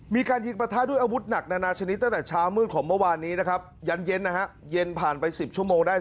มีการยิงประทะด้วยอาวุธหนักนานาชนิดตั้งแต่เช้ามืดของเมื่อวานนี้นะครับยันเย็นนะฮะเย็นผ่านไป๑๐ชั่วโมงได้